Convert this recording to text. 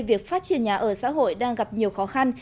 việc phát triển nhà ở xã hội đang gặp nhiều khó khăn